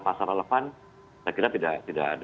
pasar relevan saya kira tidak ada